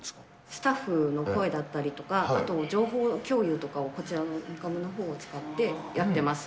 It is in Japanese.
スタッフの声だったりとか、あと、情報共有とかを、こちらのインカムのほうを使ってやってます。